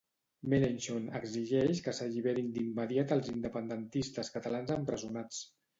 Mélenchon exigeix que s'alliberin d'immediat els independentistes catalans empresonats.